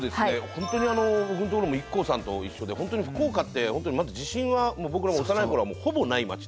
本当に僕のところもＩＫＫＯさんと一緒で本当に福岡ってまず地震は僕らも幼い頃はほぼない町で。